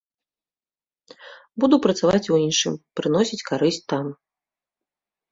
Буду працаваць у іншым, прыносіць карысць там.